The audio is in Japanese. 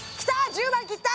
１０万切った！